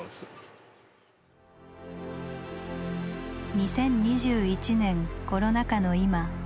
２０２１年コロナ禍の今。